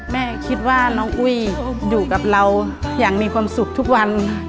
แม่คิดว่าน้องอุ้ยอยู่กับเราอย่างมีความสุขทุกวัน